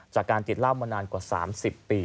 จากการติดเหล้ามานานกว่า๓๐ปี